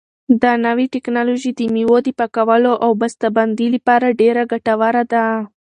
دا نوې ټیکنالوژي د مېوو د پاکولو او بسته بندۍ لپاره ډېره ګټوره ده.